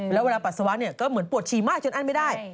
แล้วเวลาปัสสาวะก็เหมือนปวดฉี่มากจนอั้นไม่ได้